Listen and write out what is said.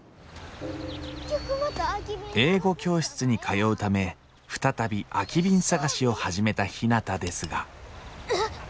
英語教室に通うため再び空き瓶探しを始めたひなたですがえっ。